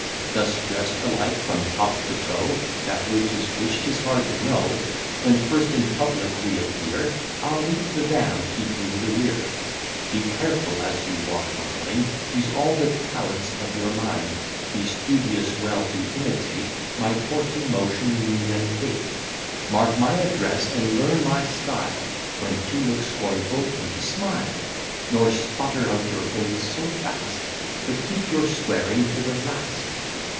Thus dress'd alike from top to toe, That which is which 'tis hard to know, When first in public we appear, I'll lead the van, keep you the rear: Be careful, as you walk behind; Use all the talents of your mind; Be studious well to imitate My portly motion, mien, and gait; Mark my address, and learn my style, When to look scornful, when to smile; Nor sputter out your oaths so fast, But keep your swearing to the last.